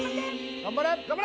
頑張って頑張れ！